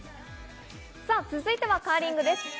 続いてはカーリングです。